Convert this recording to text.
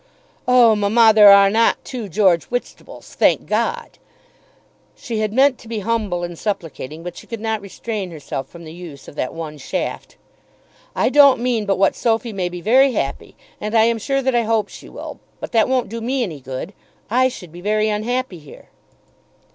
"Oh, mamma, there are not two George Whitstables; thank God." She had meant to be humble and supplicating, but she could not restrain herself from the use of that one shaft. "I don't mean but what Sophy may be very happy, and I am sure that I hope she will. But that won't do me any good. I should be very unhappy here."